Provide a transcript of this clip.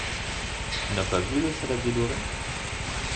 Tu n’as pas vu le saladier doré ?